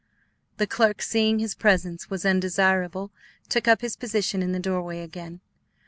The clerk, seeing his presence was undesirable, took up his position in the doorway again.